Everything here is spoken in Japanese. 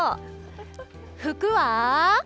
ふくは。